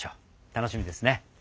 楽しみですね。